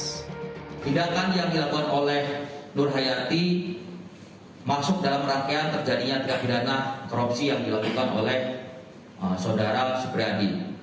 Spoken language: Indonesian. tindakan yang dilakukan oleh nur hayati masuk dalam rangkaian terjadinya tindak pidana korupsi yang dilakukan oleh saudara supriyadi